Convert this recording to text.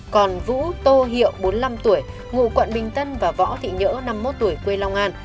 còn vũ tô hiệu bốn mươi năm tuổi ngụ quận bình tân và võ thị nhỡ năm mươi một tuổi quê long an